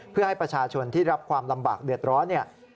เพื่อให้ประชาชนที่รับความลำบากเดือดร้อนเนี่ย